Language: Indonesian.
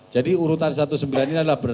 jadi urutan satu sembilan ini adalah